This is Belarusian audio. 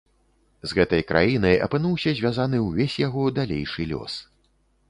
З гэтай краінай апынуўся звязаны ўвесь яго далейшы лёс.